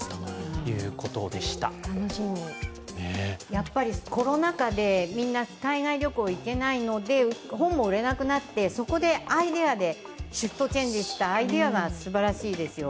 やっぱりコロナ禍でみんな海外旅行に行けないので本も売れなくなってそこでアイデアでシフトチェンジしたアイデアがすばらしいですよ。